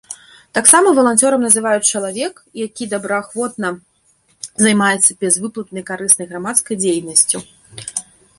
Таксама валанцёрам называюць чалавек, які добраахвотна займаецца бязвыплатнай карыснай грамадскай дзейнасцю.